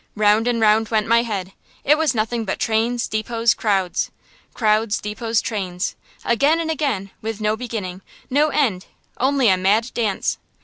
Round and round went my head. It was nothing but trains, depots, crowds, crowds, depots, trains, again and again, with no beginning, no end, only a mad dance!